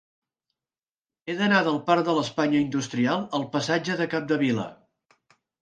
He d'anar del parc de l'Espanya Industrial al passatge de Capdevila.